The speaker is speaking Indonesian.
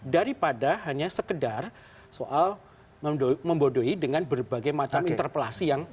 daripada hanya sekedar soal membodohi dengan berbagai macam interpelasi yang